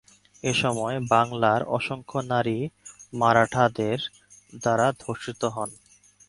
এসময় বাংলার অসংখ্য নারী মারাঠাদের দ্বারা ধর্ষিত হন।